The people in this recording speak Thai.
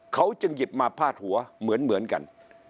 เขาจึงหยิบมาพาดหัวเหมือนกัน